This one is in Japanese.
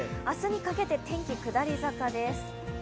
明日にかけて天気、下り坂です。